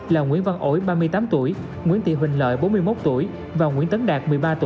là nguyễn văn ổi nguyễn tị huỳnh lợi và nguyễn tấn đạt